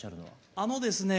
あのですねえ